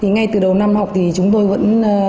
ngay từ đầu năm học thì chúng tôi vẫn